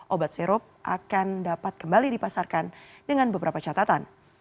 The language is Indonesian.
obat sirup akan dapat kembali dipasarkan dengan beberapa catatan